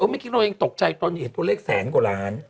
ไม่คิดว่าเราตกใจตอนนี้เห็นตัวเลขแสงกว่าล้าน